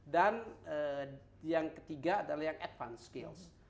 dan yang ketiga adalah yang advanced skills